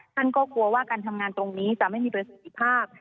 ท่านก็กลัวว่าการทำงานตรงนี้จะไม่มีประสิทธิภาพ